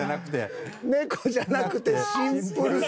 ネコじゃなくて。